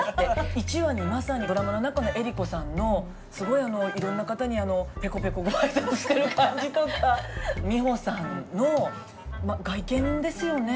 １話にまさにドラマの中の江里子さんのすごいいろんな方にペコペコご挨拶してる感じとか美穂さんの外見ですよね。